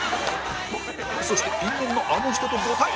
そして因縁のあの人とご対面